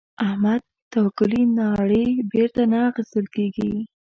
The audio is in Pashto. احمده؛ توکلې ناړې بېرته نه اخيستل کېږي.